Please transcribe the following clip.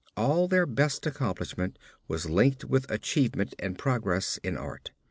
All their best accomplishment was linked with achievement and progress in art.